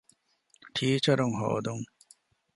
ޓީޗަރުން ހޯދުން